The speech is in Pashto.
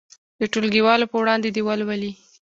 د ټولګیوالو په وړاندې دې ولولي.